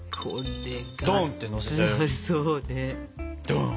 「ドン！」ってのせちゃうよ。